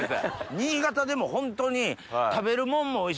新潟でもホントに。